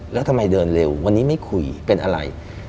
แล้วทำไมเดินเร็ววันนี้ไม่คุยเป็นอะไร